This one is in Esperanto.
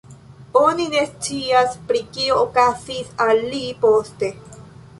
Oni ne scias pri kio okazis al li poste.